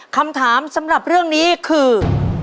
คำถามสำหรับเรื่องนี้คือ